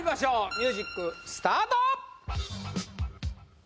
ミュージックスタート